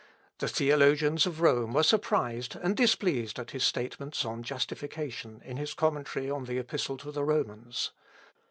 The theologians of Rome were surprised and displeased at his statements on justification in his Commentary on the Epistle to the Romans.